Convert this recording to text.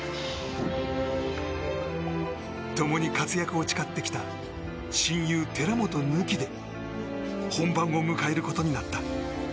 ともに活躍を誓ってきた親友・寺本抜きで本番を迎えることになった。